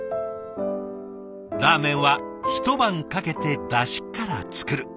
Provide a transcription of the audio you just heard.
ラーメンは一晩かけてだしから作る。